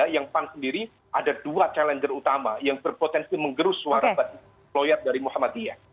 yang pan sendiri ada dua challenger utama yang berpotensi menggerus suara basis lawyer dari muhammadiyah